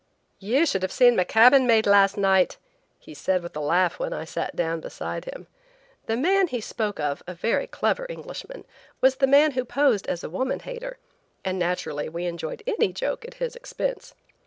"You should have seen my cabin mate last night," he said with a laugh when I sat down beside him. The man he spoke of, a very clever Englishman, was the man who posed as a woman hater, and naturally we enjoyed any joke at his expense.